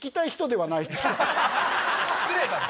失礼だろ。